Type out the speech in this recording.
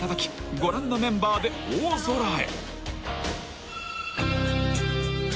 ご覧のメンバーで大空へ］